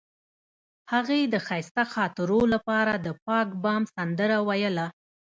هغې د ښایسته خاطرو لپاره د پاک بام سندره ویله.